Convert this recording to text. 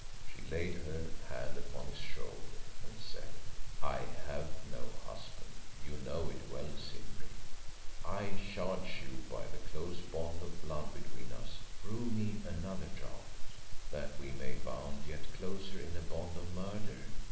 She laid her hand upon his shoulder and said "I have no husband. You know it well, Simbri. I charge you by the close bond of blood between us, brew me another draught " "That we may be bound yet closer in a bond of murder!